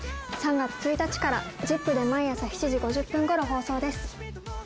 ３月１日から『ＺＩＰ！』で毎朝７時５０分頃放送です。